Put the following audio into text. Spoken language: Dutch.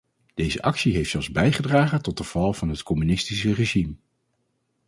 Deze actie heeft zelfs bijgedragen tot de val van het communistische regime.